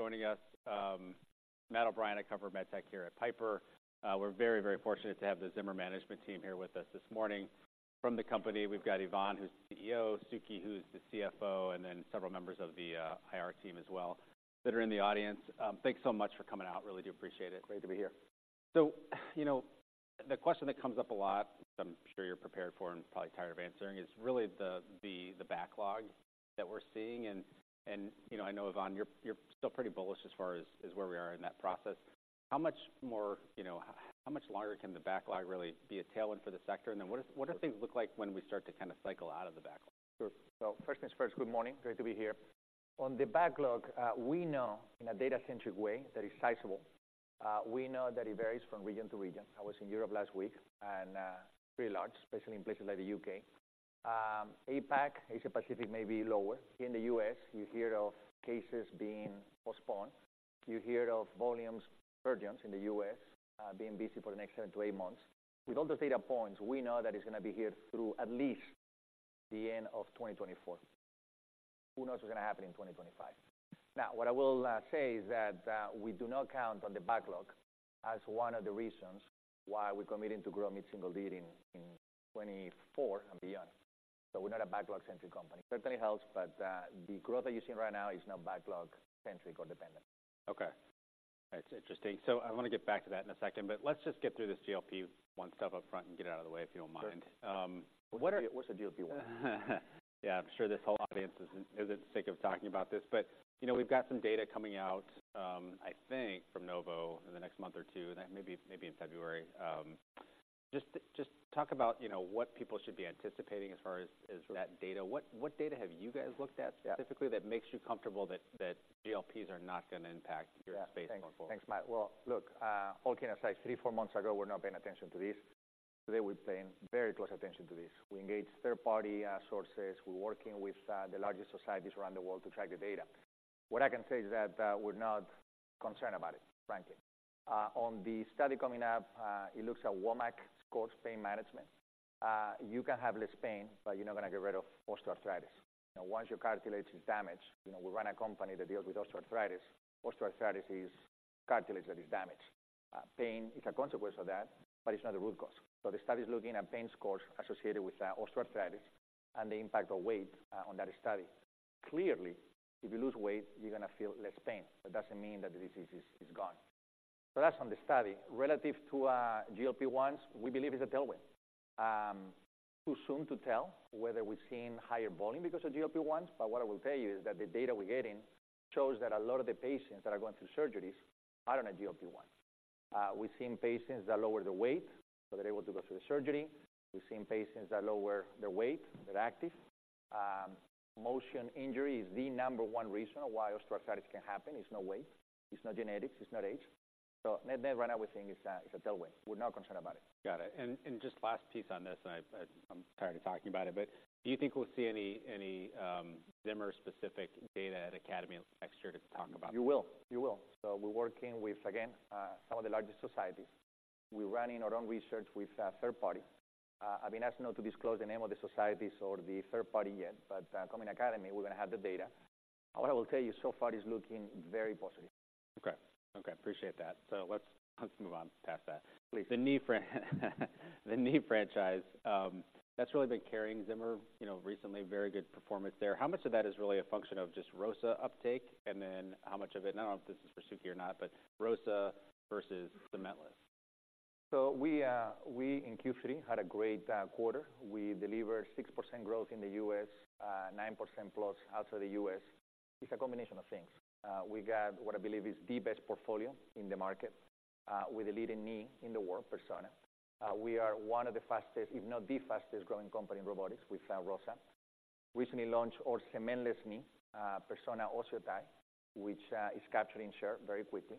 ... joining us. Matt O'Brien, I cover MedTech here at Piper. We're very, very fortunate to have the Zimmer management team here with us this morning. From the company, we've got Ivan, who's the CEO, Suky, who's the CFO, and then several members of the IR team as well, that are in the audience. Thanks so much for coming out. Really do appreciate it. Great to be here. So, you know, the question that comes up a lot, which I'm sure you're prepared for and probably tired of answering, is really the backlog that we're seeing. And, you know, I know, Ivan, you're still pretty bullish as far as where we are in that process. How much more, you know, how much longer can the backlog really be a tailwind for the sector? And then what do things look like when we start to kind of cycle out of the backlog? Sure. So first things first. Good morning. Great to be here. On the backlog, we know in a data-centric way that it's sizable. We know that it varies from region to region. I was in Europe last week, and pretty large, especially in places like the U.K. APAC, Asia Pacific, may be lower. In the U.S., you hear of cases being postponed. You hear of volume surgeons in the U.S. being busy for the next 7-8 months. With all those data points, we know that it's going to be here through at least the end of 2024. Who knows what's going to happen in 2025? Now, what I will say is that, we do not count on the backlog as one of the reasons why we're committing to grow mid-single digits in 2024 and beyond. So we're not a backlog-centric company. Certainly helps, but, the growth that you're seeing right now is not backlog-centric or dependent. Okay. That's interesting. So I want to get back to that in a second, but let's just get through this GLP-1 stuff upfront and get it out of the way, if you don't mind. Sure. What are- What's a GLP-1? Yeah, I'm sure this whole audience is sick of talking about this, but you know, we've got some data coming out, I think, from Novo in the next month or two, and maybe in February. Just talk about, you know, what people should be anticipating as far as that data. What data have you guys looked at specifically that makes you comfortable that GLPs are not going to impact your space going forward? Yeah. Thanks, Matt. Well, look, all kidding aside, 3-4 months ago, we're not paying attention to this. Today, we're paying very close attention to this. We engage third-party sources. We're working with the largest societies around the world to track the data. What I can say is that, we're not concerned about it, frankly. On the study coming up, it looks at WOMAC score pain management. You can have less pain, but you're not going to get rid of osteoarthritis. Now, once your cartilage is damaged, you know, we run a company that deals with osteoarthritis. Osteoarthritis is cartilage that is damaged. Pain is a consequence of that, but it's not the root cause. So the study is looking at pain scores associated with osteoarthritis and the impact of weight on that study. Clearly, if you lose weight, you're going to feel less pain. That doesn't mean that the disease is gone. So that's on the study. Relative to GLP-1, we believe it's a tailwind. Too soon to tell whether we've seen higher volume because of GLP-1, but what I will tell you is that the data we're getting shows that a lot of the patients that are going through surgeries are on a GLP-1. We've seen patients that lower their weight, so they're able to go through the surgery. We've seen patients that lower their weight, they're active. Motion injury is the number one reason why Osteoarthritis can happen. It's not weight, it's not genetics, it's not age. So right now, we think it's a tailwind. We're not concerned about it. Got it. And just last piece on this, and I'm tired of talking about it, but do you think we'll see any Zimmer-specific data at Academy next year to talk about? You will. You will. So we're working with, again, some of the largest societies. We're running our own research with a third party. I've been asked not to disclose the name of the societies or the third party yet, but, coming Academy, we're going to have the data. What I will tell you so far is looking very positive. Okay. Okay, appreciate that. So let's move on past that. Please. The knee franchise, that's really been carrying Zimmer, you know, recently, very good performance there. How much of that is really a function of just ROSA uptake? And then how much of it, I don't know if this is for Suky or not, but ROSA versus cementless. So we in Q3 had a great quarter. We delivered 6% growth in the U.S., 9% plus outside the U.S. It's a combination of things. We got what I believe is the best portfolio in the market, with a leading knee in the world, Persona. We are one of the fastest, if not the fastest, growing company in robotics with ROSA. Recently launched our cementless knee, Persona OsseoTi, which is capturing share very quickly.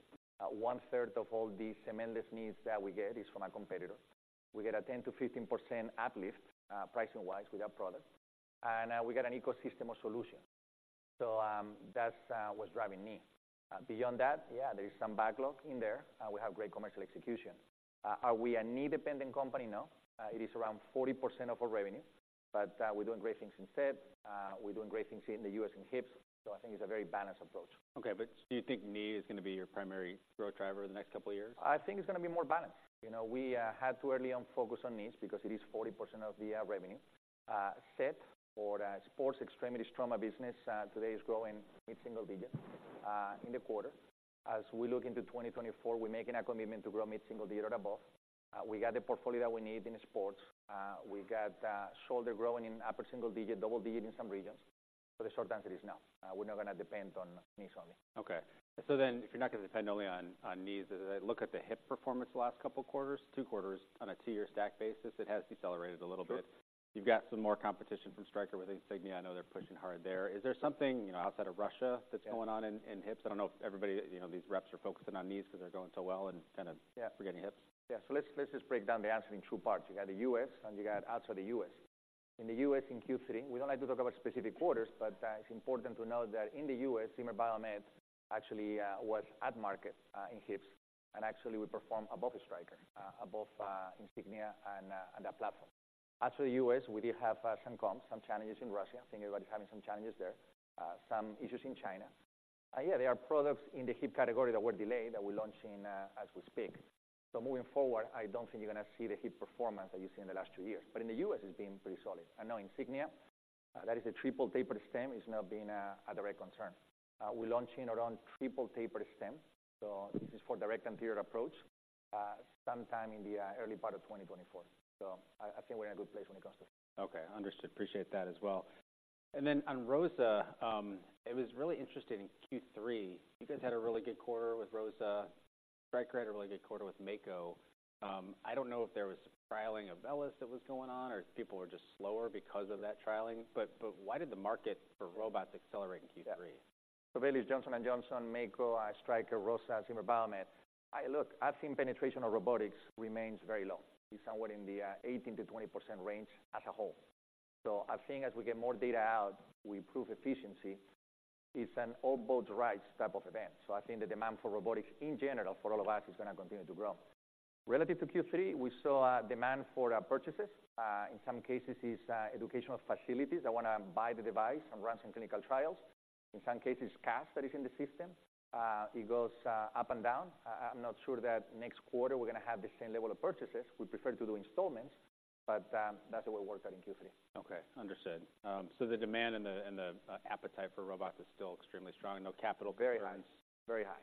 One third of all the cementless knees that we get is from our competitors. We get a 10%-15% uplift, pricing wise, with our product, and we got an ecosystem of solutions. So that's what's driving me. Beyond that, yeah, there is some backlog in there, and we have great commercial execution. Are we a knee-dependent company? No. It is around 40% of our revenue, but, we're doing great things in SET. We're doing great things in the U.S. and hips, so I think it's a very balanced approach. Okay, but do you think knee is going to be your primary growth driver in the next couple of years? I think it's going to be more balanced. You know, we had to early on focus on knees because it is 40% of the revenue. SET, or the Sports, Extremities, and Trauma business, today, is growing mid-single digits in the quarter. As we look into 2024, we're making a commitment to grow mid-single digit or above. We got the portfolio that we need in sports. We got shoulder growing in upper single digit, double digit in some regions. For the short answer is no, we're not going to depend on knees only. Okay. So then, if you're not going to depend only on knees, as I look at the hip performance last couple quarters, two quarters on a 2-year stack basis, it has decelerated a little bit. Sure. You've got some more competition from Stryker with Insignia. I know they're pushing hard there. Is there something, you know, outside of Russia that's going on in, in hips? I don't know if everybody, you know, these reps are focusing on knees because they're going so well and kind of- Yeah. -forgetting hips. Yeah. So let's just break down the answer in two parts. You got the U.S., and you got outside the U.S. In the U.S., in Q3, we don't like to talk about specific quarters, but it's important to note that in the U.S., Zimmer Biomet actually was at market in hips, and actually we performed above Stryker, above Insignia. After the U.S., we did have some comps, some challenges in Russia. I think everybody's having some challenges there, some issues in China. Yeah, there are products in the hip category that were delayed, that we're launching as we speak. So moving forward, I don't think you're going to see the hip performance that you've seen in the last 2 years. But in the U.S., it's been pretty solid. I know Insignia, that is a triple-tapered stem, is not being a, a direct concern. We're launching our own triple-tapered stem, so this is for direct anterior approach, sometime in the early part of 2024. So I, I think we're in a good place when it comes to. Okay, understood. Appreciate that as well. And then on ROSA, it was really interesting in Q3. You guys had a really good quarter with ROSA. Stryker had a really good quarter with Mako. I don't know if there was trialing of VELYS that was going on, or if people were just slower because of that trialing, but why did the market for robots accelerate in Q3? So VELYS, Johnson & Johnson, Mako, Stryker, ROSA, Zimmer Biomet. Look, I think penetration of robotics remains very low. It's somewhere in the 18%-20% range as a whole. So I think as we get more data out, we improve efficiency. It's an all boats rise type of event. So I think the demand for robotics in general, for all of us, is going to continue to grow. Relative to Q3, we saw a demand for purchases. In some cases, it's educational facilities that want to buy the device and run some clinical trials. In some cases, cash that is in the system, it goes up and down. I'm not sure that next quarter we're going to have the same level of purchases. We prefer to do installments, but that's the way it worked out in Q3. Okay, understood. So the demand and the appetite for robots is still extremely strong. No capital- Very high. Very high.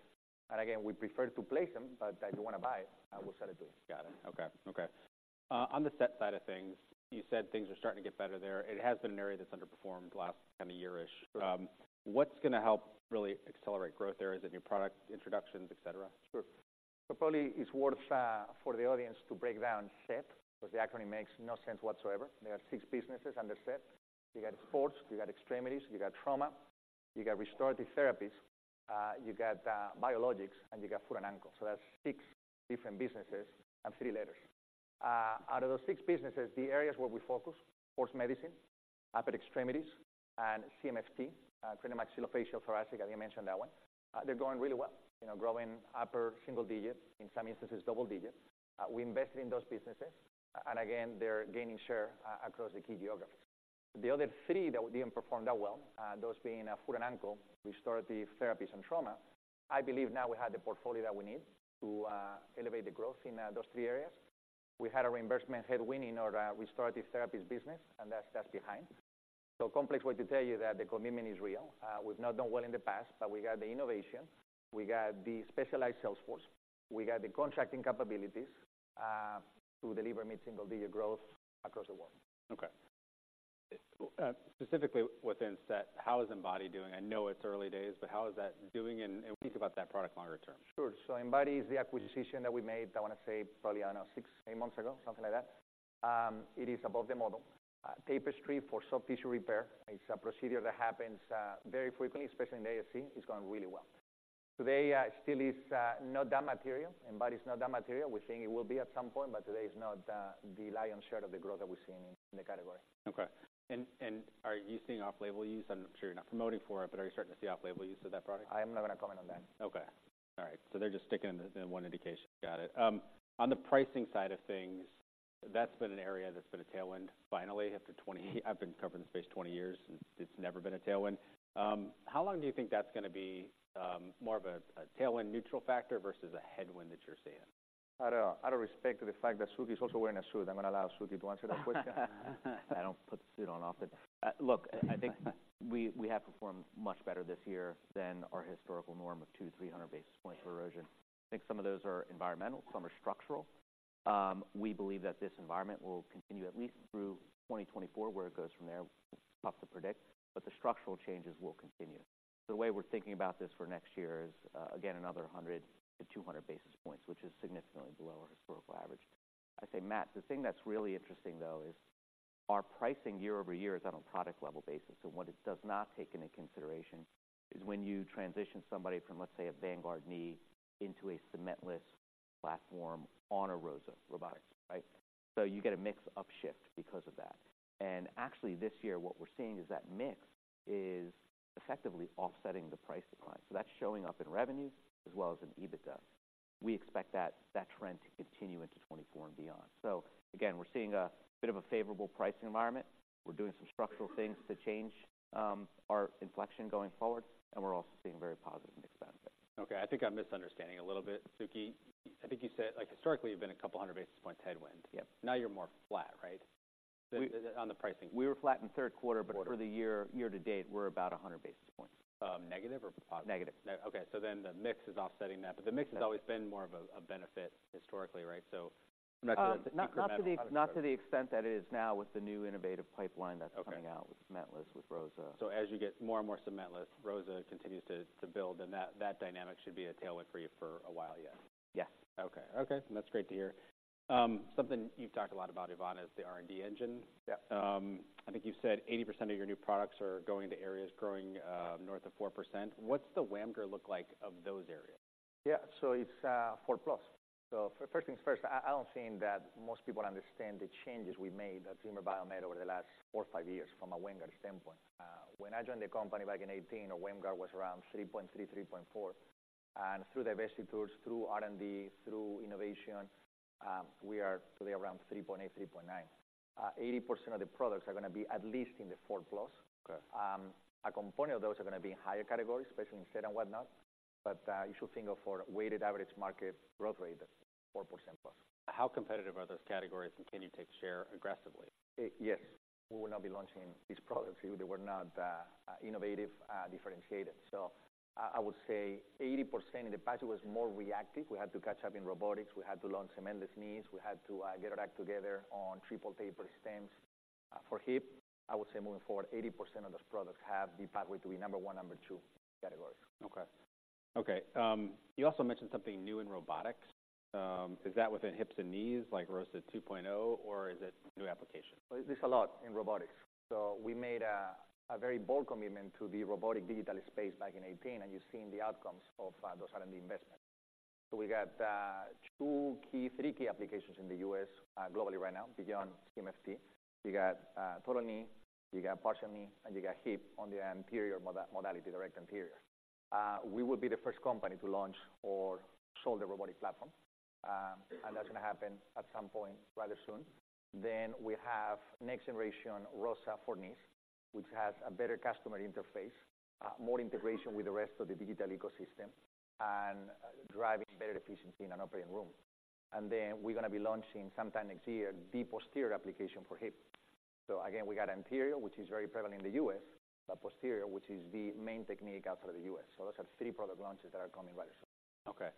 And again, we prefer to place them, but if you want to buy it, we'll sell it to you. Got it. Okay. Okay, on the SET side of things, you said things are starting to get better there. It has been an area that's underperformed the last kind of year-ish. Sure. What's going to help really accelerate growth there? Is it new product introductions, et cetera? Sure. So probably it's worth for the audience to break down SET, because the acronym makes no sense whatsoever. There are six businesses under SET. You got sports, you got extremities, you got trauma, you got restorative therapies, you got biologics, and you got foot and ankle. So that's six different businesses and three letters. Out of those six businesses, the areas where we focus, sports medicine, upper extremities, and CMFT, craniomaxillofacial, thoracic, as you mentioned, that one, they're going really well. You know, growing upper single digits, in some instances, double digits. We invested in those businesses, and again, they're gaining share across the key geographies. The other three that didn't perform that well, those being foot and ankle, restorative therapies, and trauma. I believe now we have the portfolio that we need to elevate the growth in those three areas. We had a reimbursement headwind in our restorative therapies business, and that's behind. So complex way to tell you that the commitment is real. We've not done well in the past, but we got the innovation, we got the specialized sales force, we got the contracting capabilities to deliver mid-single-digit growth across the board. Okay. Specifically within SET, how is Embody doing? I know it's early days, but how is that doing, and, and think about that product longer term. Sure. Embody is the acquisition that we made, I want to say probably, I don't know, 6, 8 months ago, something like that. It is above the model, Tapestry for soft tissue repair. It's a procedure that happens, very frequently, especially in the ASC. It's going really well. Today, it still is, not that material, but it's not that material. We think it will be at some point, but today is not, the lion's share of the growth that we're seeing in the category. Okay. And, and are you seeing off-label use? I'm sure you're not promoting for it, but are you starting to see off-label use of that product? I'm not going to comment on that. Okay. All right. So they're just sticking in one indication. Got it. On the pricing side of things, that's been an area that's been a tailwind finally, after 20... I've been covering the space 20 years, and it's never been a tailwind. How long do you think that's going to be, more of a tailwind neutral factor versus a headwind that you're seeing? Out of respect to the fact that Suky is also wearing a suit, I'm going to allow Suky to answer that question. I don't put the suit on often. Look, I think we have performed much better this year than our historical norm of 200-300 basis points of erosion. I think some of those are environmental, some are structural. We believe that this environment will continue at least through 2024. Where it goes from there, tough to predict, but the structural changes will continue. So the way we're thinking about this for next year is, again, another 100-200 basis points, which is significantly below our historical average. I say, Matt, the thing that's really interesting, though, is our pricing year-over-year is on a product level basis, and what it does not take into consideration is when you transition somebody from, let's say, a Vanguard knee into a cementless platform on a ROSA Robotics, right? So you get a mix upshift because of that. And actually, this year, what we're seeing is that mix is effectively offsetting the price decline. So that's showing up in revenue as well as in EBITDA. We expect that, that trend to continue into 2024 and beyond. So again, we're seeing a bit of a favorable pricing environment. We're doing some structural things to change our inflection going forward, and we're also seeing very positive mix benefits. Okay, I think I'm misunderstanding a little bit. Suky, I think you said, like, historically, you've been a couple of hundred basis points headwind. Yep. Now you're more flat, right? On the pricing. We were flat in the third quarter, but for the year, year to date, we're about 100 basis points. Negative or positive? Negative. Okay. So then the mix is offsetting that, but the mix has always been more of a benefit historically, right? So- Not to the extent that it is now with the new innovative pipeline that's- Okay.... coming out with cementless, with ROSA. So as you get more and more cementless, ROSA continues to build, and that dynamic should be a tailwind for you for a while yet. Yes. Okay. Okay, that's great to hear. Something you've talked a lot about, Ivan, is the R&D engine. Yeah. I think you've said 80% of your new products are going to areas growing north of 4%. What's the WAMGR look like of those areas? Yeah, so it's 4+. So first things first, I don't think that most people understand the changes we made at Zimmer Biomet over the last 4 or 5 years from a WAMGR standpoint. When I joined the company back in 2018, our WAMGR was around 3.3, 3.4... and through diversity tools, through R&D, through innovation, we are today around 3.8, 3.9. 80% of the products are gonna be at least in the four 4+. Okay. A component of those are gonna be in higher categories, especially in SET and whatnot, but you should think of for weighted average market growth rate of +4%. How competitive are those categories, and can you take share aggressively? Yes. We will not be launching these products if they were not innovative, differentiated. So I would say 80% in the past was more reactive. We had to catch up in robotics. We had to launch some endless knees. We had to get our act together on triple-tapered stems. For hip, I would say moving forward, 80% of those products have the pathway to be number one, number two categories. Okay. Okay, you also mentioned something new in robotics. Is that within hips and knees, like ROSA 2.0, or is it new application? There's a lot in robotics. So we made a very bold commitment to the robotic digital space back in 2018, and you've seen the outcomes of those R&D investments. So we got three key applications in the U.S., globally right now, beyond CMFT. You got total knee, you got partial knee, and you got hip on the anterior modality, direct anterior. We will be the first company to launch or sold a robotic platform, and that's gonna happen at some point rather soon. Then we have next generation ROSA for knees, which has a better customer interface, more integration with the rest of the digital ecosystem and driving better efficiency in an operating room. Then we're gonna be launching sometime next year, the posterior application for hip. So again, we got anterior, which is very prevalent in the U.S., but posterior, which is the main technique outside of the U.S. So those are three product launches that are coming rather soon. Okay.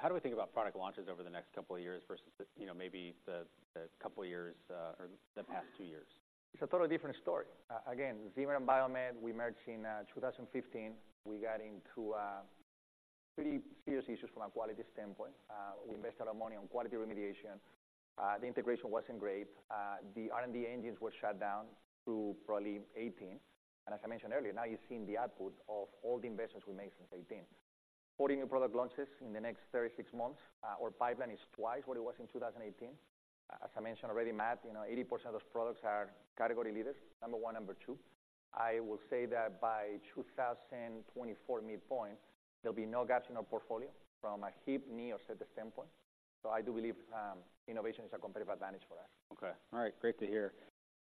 How do we think about product launches over the next couple of years versus the, you know, maybe the couple of years, or the past 2 years? It's a totally different story. Again, Zimmer Biomet, we merged in 2015. We got into pretty serious issues from a quality standpoint. We invested our money on quality remediation. The integration wasn't great. The R&D engines were shut down through probably 2018. And as I mentioned earlier, now you're seeing the output of all the investments we made since 2018. 40 new product launches in the next 36 months, our pipeline is twice what it was in 2018. As I mentioned already, Matt, you know, 80% of those products are category leaders, number one, number two. I will say that by 2024 midpoint, there'll be no gaps in our portfolio from a hip, knee, or SET standpoint. So I do believe innovation is a competitive advantage for us. Okay. All right, great to hear.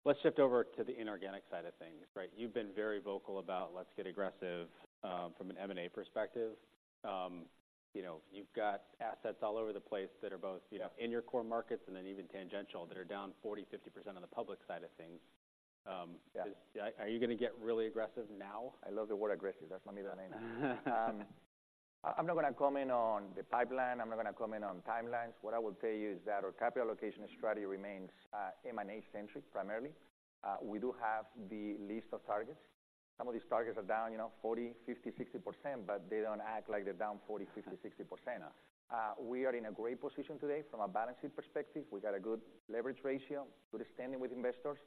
Let's shift over to the inorganic side of things, right? You've been very vocal about let's get aggressive, from an M&A perspective. You know, you've got assets all over the place that are both, you know, in your core markets and then even tangential, that are down 40%-50% on the public side of things. Yeah. Are you gonna get really aggressive now? I love the word aggressive. That's my middle name. I'm not gonna comment on the pipeline. I'm not gonna comment on timelines. What I will tell you is that our capital allocation strategy remains M&A centric, primarily. We do have the list of targets. Some of these targets are down, you know, 40, 50, 60%, but they don't act like they're down 40, 50, 60%. We are in a great position today from a balance sheet perspective. We got a good leverage ratio, good standing with investors.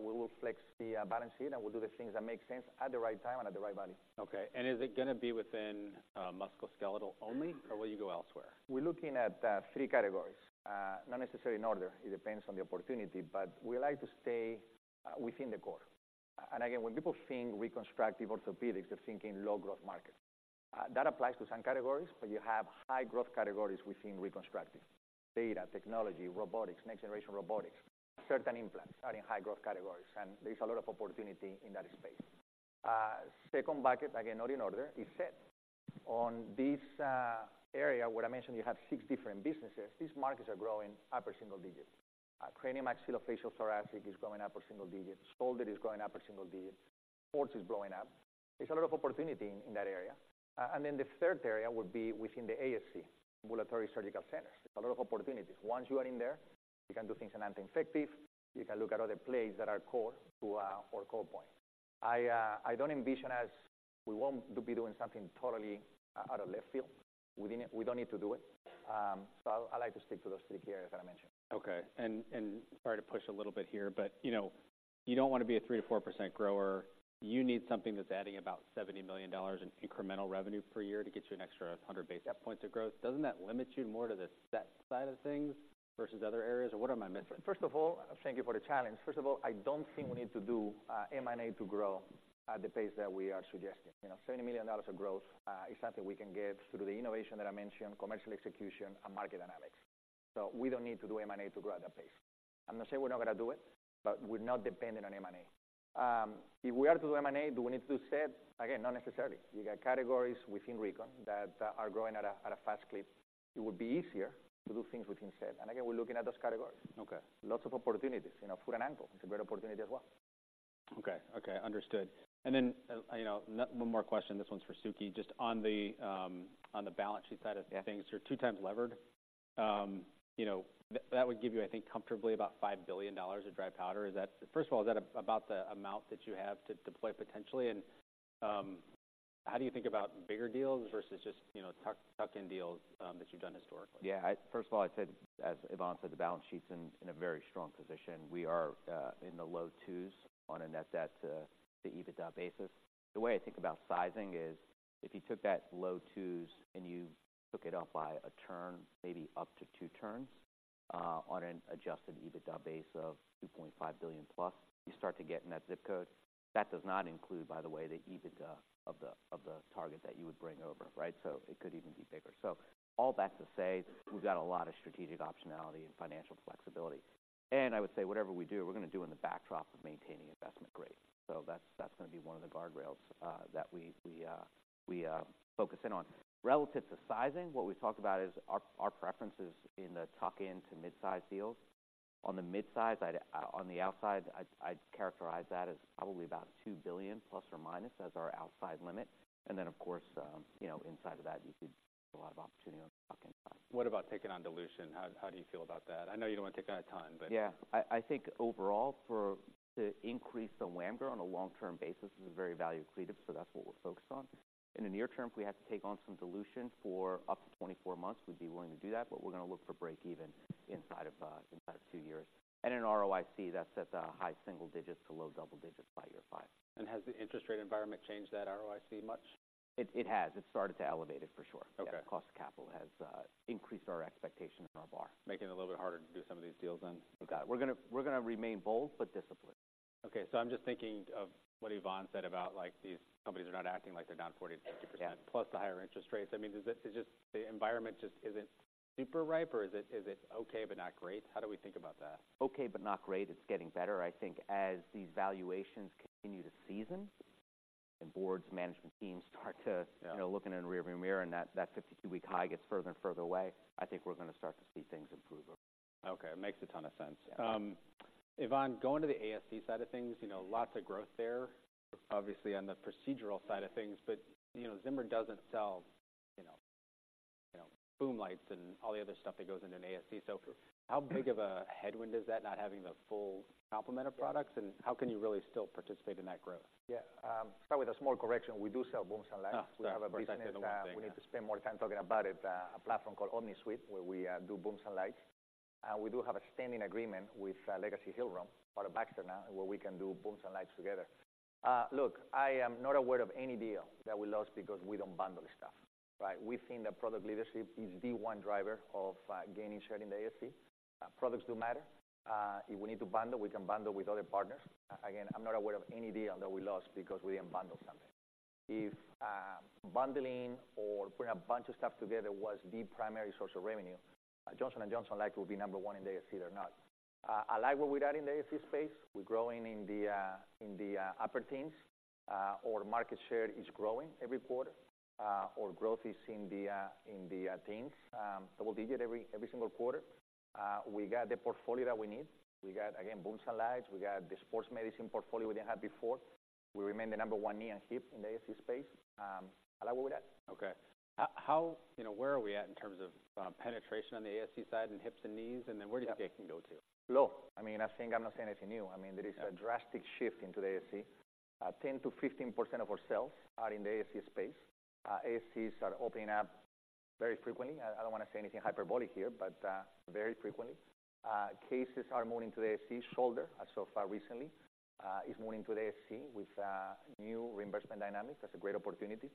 We will flex the balance sheet, and we'll do the things that make sense at the right time and at the right value. Okay, and is it gonna be within, musculoskeletal only, or will you go elsewhere? We're looking at three categories. Not necessarily in order, it depends on the opportunity, but we like to stay within the core. And again, when people think reconstructive orthopedics, they're thinking low-growth market. That applies to some categories, but you have high growth categories within reconstructive: data, technology, robotics, next generation robotics. Certain implants are in high growth categories, and there is a lot of opportunity in that space. Second bucket, again, not in order, is SET. On this area, what I mentioned, you have six different businesses. These markets are growing upper single digits. Craniomaxillofacial thoracic is growing upper single digits. Shoulder is growing upper single digits. Sports is growing up. There's a lot of opportunity in that area. And then the third area would be within the ASC, ambulatory surgical centers. A lot of opportunities. Once you are in there, you can do things in anti-infective, you can look at other plays that are core to our core point. I, I don't envision as we want to be doing something totally out of left field. We didn't-- we don't need to do it. So I, I like to stick to those three areas that I mentioned. Okay. And sorry to push a little bit here, but, you know, you don't want to be a 3%-4% grower. You need something that's adding about $70 million in incremental revenue per year to get you an extra 100 basis points of growth. Doesn't that limit you more to the SET side of things versus other areas, or what am I missing? First of all, thank you for the challenge. First of all, I don't think we need to do M&A to grow at the pace that we are suggesting. You know, $70 million of growth is something we can get through the innovation that I mentioned, commercial execution, and market analytics. So we don't need to do M&A to grow at that pace. I'm not saying we're not gonna do it, but we're not dependent on M&A. If we are to do M&A, do we need to do SET? Again, not necessarily. You got categories within recon that are growing at a fast clip. It would be easier to do things within SET, and again, we're looking at those categories. Okay. Lots of opportunities, you know, foot and ankle. It's a great opportunity as well. Okay, okay, understood. Then, you know, one more question. This one's for Suky. Just on the balance sheet side of things- Yeah. - You're 2x levered. You know, that would give you, I think, comfortably about $5 billion of dry powder. Is that... First of all, is that about the amount that you have to deploy potentially? And, how do you think about bigger deals versus just, you know, tuck-in deals that you've done historically? Yeah. First of all, I said, as Ivan said, the balance sheet's in, in a very strong position. We are, in the low 2s on a net debt to, the EBITDA basis. The way I think about sizing is if you took that low 2s and you took it up by a turn, maybe up to turn turns on an adjusted EBITDA base of $2.5+ billion, you start to get in that ZIP code. That does not include, by the way, the EBITDA of the, of the target that you would bring over, right? So all that to say, we've got a lot of strategic optionality and financial flexibility. And I would say whatever we do, we're gonna do in the backdrop of maintaining investment grade. So that's, that's gonna be one of the guardrails that we, we focus in on. Relative to sizing, what we've talked about is our, our preferences in the tuck-in to mid-size deals. On the mid-size, on the outside, I'd characterize that as probably about $2± billion as our outside limit. And then, of course, you know, inside of that, you could a lot of opportunity on the back end. What about taking on dilution? How, how do you feel about that? I know you don't want to take that a ton, but- Yeah, I think overall, for to increase the WAMGR on a long-term basis is a very value accretive, so that's what we're focused on. In the near term, if we have to take on some dilution for up to 24 months, we'd be willing to do that, but we're going to look for break even inside of 2 years. And in ROIC, that's set to high single digits to low double digits by year 5. Has the interest rate environment changed that ROIC much? It has. It started to elevate it, for sure. Okay. Cost of capital has increased our expectation and our bar. Making it a little bit harder to do some of these deals then? We've got... We're gonna remain bold, but disciplined. Okay, so I'm just thinking of what Ivan said about, like, these companies are not acting like they're down 40%-50%- Yeah.... plus the higher interest rates. I mean, is it just the environment just isn't super ripe, or is it okay, but not great? How do we think about that? Okay, but not great. It's getting better. I think as these valuations continue to season and boards, management teams start to- Yeah.... you know, look in a rear view mirror, and that, that 52-week high gets further and further away, I think we're gonna start to see things improve. Okay, it makes a ton of sense. Ivan, going to the ASC side of things, you know, lots of growth there, obviously, on the procedural side of things, but, you know, Zimmer doesn't sell, you know, you know, boom lights and all the other stuff that goes into an ASC. So how big of a headwind is that, not having the full complement of products, and how can you really still participate in that growth? Yeah, start with a small correction. We do sell booms and lights. Oh, sorry. We have a business. We need to spend more time talking about it, a platform called Omni Suite, where we do booms and lights. We do have a standing agreement with Legacy Hillrom, or Baxter now, where we can do booms and lights together. Look, I am not aware of any deal that we lost because we don't bundle stuff, right? We think that product leadership is the one driver of gaining share in the ASC. Products do matter. If we need to bundle, we can bundle with other partners. Again, I'm not aware of any deal that we lost because we didn't bundle something. If bundling or putting a bunch of stuff together was the primary source of revenue, Johnson & Johnson likely would be number one in the ASC, they're not. I like what we got in the ASC space. We're growing in the upper teens. Our market share is growing every quarter, our growth is in the teens, double digit every single quarter. We got the portfolio that we need. We got, again, booms and lights, we got the sports medicine portfolio we didn't have before. We remain the number one knee and hip in the ASC space. I like where we're at. Okay. You know, where are we at in terms of penetration on the ASC side and hips and knees, and then where do you think it can go to? Low. I mean, I think I'm not saying anything new. I mean, there is a drastic shift into the ASC. 10%-15% of our sales are in the ASC space. ASCs are opening up very frequently. I don't want to say anything hyperbolic here, but very frequently. Cases are moving to the ASC shoulder so far recently is moving to the ASC with new reimbursement dynamics. That's a great opportunity.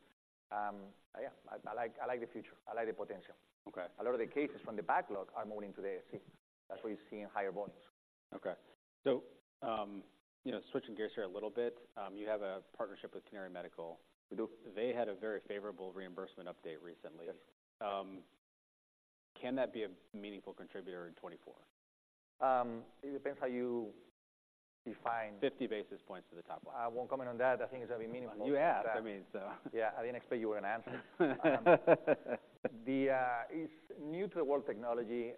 Yeah, I like, I like the future. I like the potential. Okay. A lot of the cases from the backlog are moving to the ASC. That's why you're seeing higher volumes. Okay. So, you know, switching gears here a little bit, you have a partnership with Canary Medical. We do. They had a very favorable reimbursement update recently. Yes. Can that be a meaningful contributor in 2024? It depends how you define- 50 basis points to the top line. I won't comment on that. I think it's going to be meaningful. You asked, I mean, so. Yeah, I didn't expect you were going to answer. The, it's new to the world technology,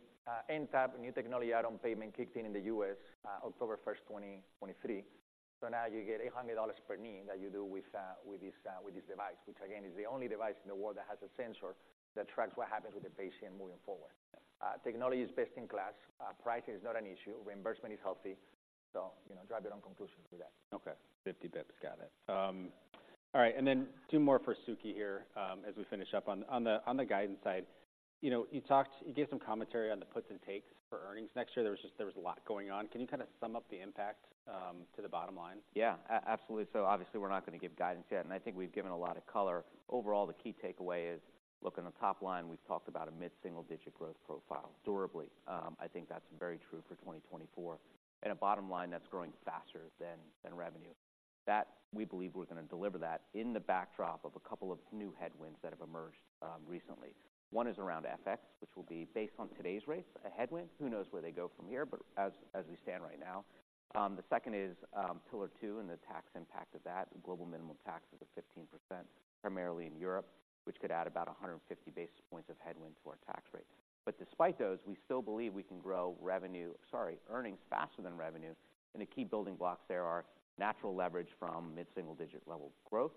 NTAP, New Technology Add-on Payment, kicked in in the U.S., October first, 2023. So now you get $800 per knee that you do with, with this device, which again, is the only device in the world that has a sensor that tracks what happens with the patient moving forward. Technology is best in class. Price is not an issue. Reimbursement is healthy, so, you know, draw your own conclusion to that. Okay, 50 basis points. Got it. All right, and then two more for Suky here, as we finish up. On the guidance side, you know, you talked—you gave some commentary on the puts and takes for earnings next year. There was just a lot going on. Can you kind of sum up the impact to the bottom line? Yeah, absolutely. So obviously, we're not going to give guidance yet, and I think we've given a lot of color. Overall, the key takeaway is, look, on the top line, we've talked about a mid-single-digit growth profile durably. I think that's very true for 2024. And a bottom line that's growing faster than revenue. That, we believe we're gonna deliver that in the backdrop of a couple of new headwinds that have emerged recently. One is around FX, which will be based on today's rates, a headwind. Who knows where they go from here, but as we stand right now. The second is Pillar 2 and the tax impact of that, global minimum tax is at 15%, primarily in Europe, which could add about 150 basis points of headwind to our tax rate. But despite those, we still believe we can grow revenue, sorry, earnings faster than revenue, and the key building blocks there are natural leverage from mid-single-digit level growth.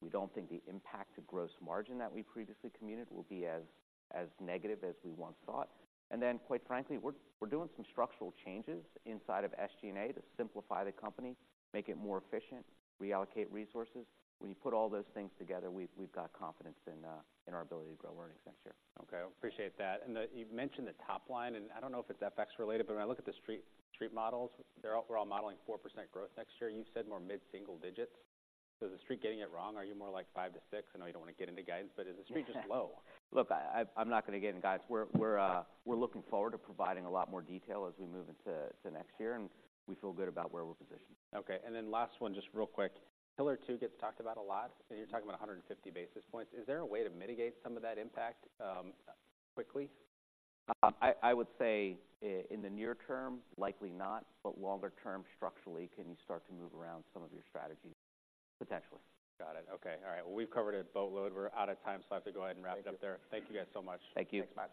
We don't think the impact to gross margin that we previously communicated will be as negative as we once thought. And then, quite frankly, we're doing some structural changes inside of SG&A to simplify the company, make it more efficient, reallocate resources. When you put all those things together, we've got confidence in our ability to grow earnings next year. Okay, I appreciate that. And you've mentioned the top line, and I don't know if it's FX related, but when I look at the street, street models, they're all—we're all modeling 4% growth next year. You've said more mid-single digits. So is the street getting it wrong? Are you more like 5-6? I know you don't want to get into guidance, but is the street just low? Look, I'm not going to get into guidance. We're looking forward to providing a lot more detail as we move into next year, and we feel good about where we're positioned. Okay, and then last one, just real quick. Pillar 2 gets talked about a lot, and you're talking about 150 basis points. Is there a way to mitigate some of that impact, quickly? I would say in the near term, likely not, but longer term, structurally, can you start to move around some of your strategy? Potentially. Got it. Okay. All right, well, we've covered a boatload. We're out of time, so I have to go ahead and wrap it up there. Thank you guys so much. Thank you. Thanks, bye.